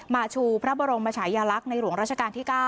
ชูพระบรมชายลักษณ์ในหลวงราชการที่๙